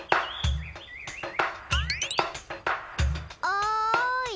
おい！